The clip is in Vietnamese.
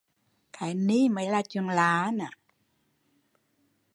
Cái ni mới là chuyện lạ